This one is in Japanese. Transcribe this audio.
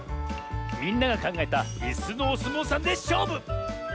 みんながかんがえたいすのおすもうさんでしょうぶ！